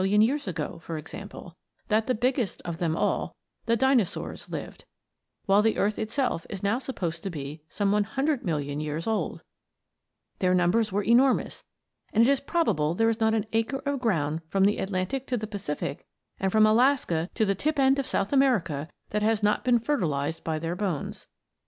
] TONS AND TONS OF ANCIENT BONES It is only about 15,000,000 years ago, for example, that the biggest of them all, the Dinosaurs, lived, while the earth itself is now supposed to be some 100,000,000 years old. Their numbers were enormous, and it is probable there is not an acre of ground from the Atlantic to the Pacific, and from Alaska to the tip end of South America that has not been fertilized by their bones.